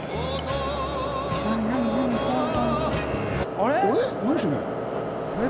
あれ？